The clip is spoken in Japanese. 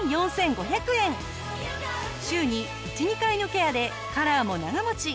週に１２回のケアでカラーも長持ち。